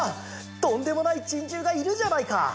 とんでもないチンジューがいるじゃないか！